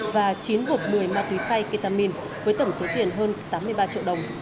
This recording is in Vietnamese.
và chín bộp một mươi ma túy phai ketamine với tổng số tiền hơn tám mươi ba triệu đồng